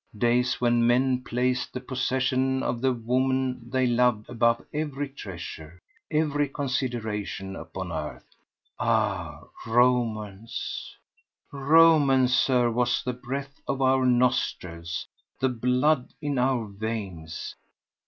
Days when men placed the possession of the woman they loved above every treasure, every consideration upon earth. Ah, romance! Romance, Sir, was the breath of our nostrils, the blood in our veins!